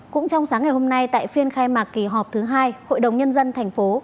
cũng trong sáng ngày hôm nay tại phiên khai mạc kỳ họp thứ hai hội đồng nhân dân thành phố